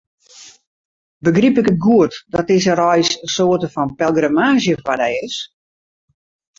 Begryp ik it goed dat dizze reis in soarte fan pelgrimaazje foar dy is?